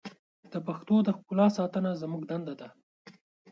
د پښتو د ښکلا ساتنه زموږ دنده ده.